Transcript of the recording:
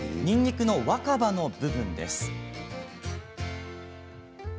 ニンニクの若葉の部分です。